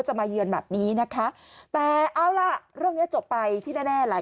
มาเยือนแบบนี้นะคะแต่เอาล่ะเรื่องเนี้ยจบไปที่แน่แน่หลาย